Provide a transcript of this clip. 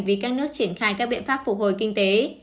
vì các nước triển khai các biện pháp phục hồi kinh tế